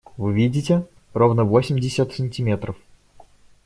Вы видите? Ровно восемьдесят сантиметров!